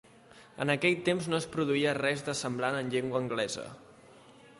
En aquell temps no es produïa res de semblant en llengua anglesa.